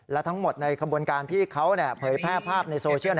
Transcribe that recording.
และทั้งหมดในขบวนการที่เขาเผยแพร่ภาพในโซเชียล